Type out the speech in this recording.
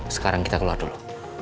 sekarang kita keluar dulu